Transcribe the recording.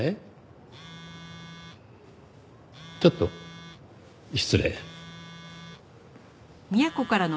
ちょっと失礼。